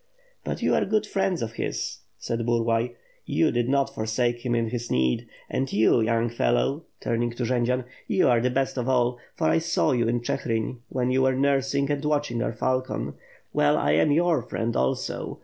"But you are good friends of his," said Buriay. "You did not forsake him in his need. And you, young fellow," turning to Jendzian, "you are the best of all; for I saw yon in Chigrin, when you were nursing and watching our falcon. Well, I am your friend also.